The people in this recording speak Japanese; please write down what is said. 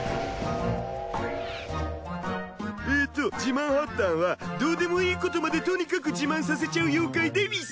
えと自慢ハッタンはどうでもいいことまでとにかく自慢させちゃう妖怪でうぃす。